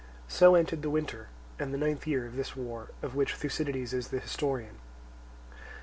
So ended the winter and the ninth year of this war of which Thucydides is the historian.